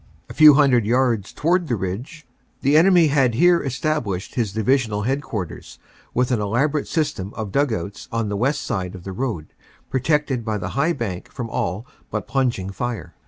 A few hundred yards toward the ridge the enemy had here established his divisional headquarters, with an elaborate system of dug outs on the west side of the road, protected by the high bank from all but plunging fire.